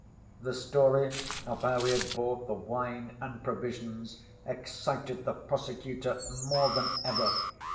" The story of how he had bought the wine and provisions excited the prosecutor more than ever.